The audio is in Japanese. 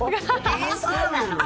そうなの。